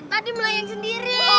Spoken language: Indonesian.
tadi belakang sendiri